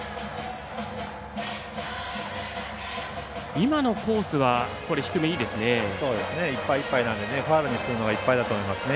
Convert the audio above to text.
今のコースは低めいいですね。